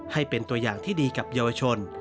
ให้เป็นตัวอย่างที่ดีกับเยาวชน